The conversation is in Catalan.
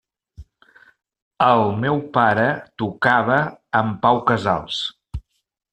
El meu pare tocava amb Pau Casals.